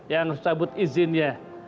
yang mencabut izinnya